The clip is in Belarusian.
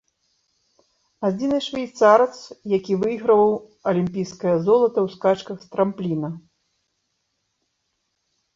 Адзіны швейцарац, які выйграваў алімпійскае золата ў скачках з трампліна.